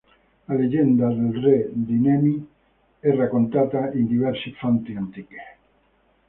La leggenda del Re di Nemi è raccontata in diverse fonti antiche.